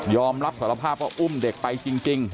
อมรับสารภาพว่าอุ้มเด็กไปจริง